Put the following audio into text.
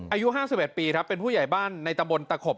อายุ๕๑ปีครับเป็นผู้ใหญ่บ้านในตำบลตะขบ